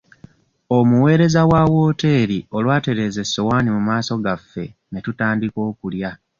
Omuweereza wa wooteri olwatereeza essowaani mu maaso gaffe ne tutandika okulya.